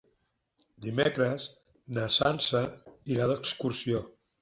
Dimecres na Sança irà d'excursió.